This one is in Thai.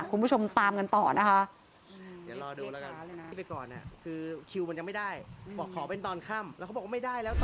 คุณผู้ชมตามกันต่อนะคะ